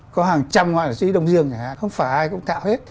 có hàng trăm họa sĩ đông dương chẳng hạn không phải ai cũng thạo hết